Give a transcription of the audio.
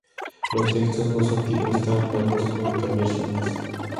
Los textos no son del tipo estándar, no se pueden cambiar sin más.